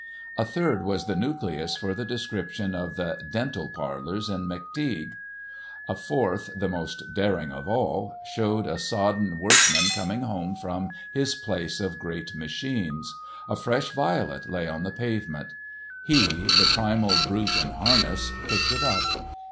A third was the nucleus for the description of the "Dental Parlors" in McTeague. A fourth, the most daring of all, showed a sodden workman coming home from his place of great machines. A fresh violet lay on the pavement. He, the primal brute in harness, picked it up.